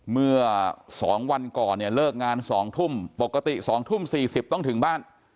เมื่อ๒วันก่อนเนี่ยเลิกงาน๒ทุ่มปกติ๒ทุ่ม๔๐ต้องถึงบ้าน